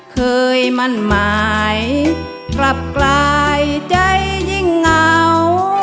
เคยมั่นหมายกลับกลายใจยิ่งเหงา